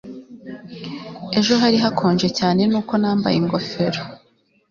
Ejo hari hakonje cyane nuko nambaye ingofero